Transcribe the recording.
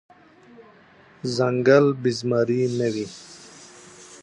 ځنګل بی زمري نه وي .